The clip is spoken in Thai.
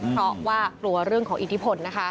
เพราะว่ากลัวเรื่องของอิทธิพลนะคะ